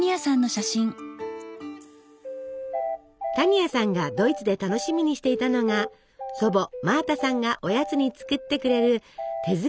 多仁亜さんがドイツで楽しみにしていたのが祖母マータさんがおやつに作ってくれる手作りのケーキでした。